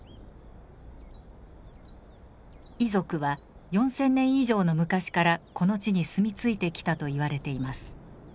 イ族は４，０００年以上の昔からこの地に住み着いてきたと言われています。